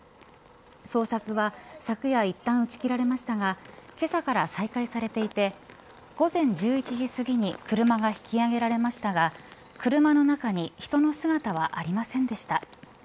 捜索は昨夜いったん打ち切られましたがけさから再開されていて午前１１時過ぎに車が引き揚げられましたが車の中に人の姿はありませんでした。